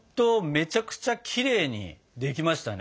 めちゃくちゃきれいにできましたね。